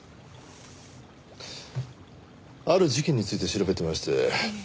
ある事件について調べていまして。